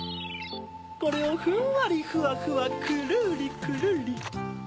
これをふんわりふわふわくるりくるり。